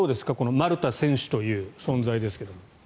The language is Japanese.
丸田選手という存在ですが。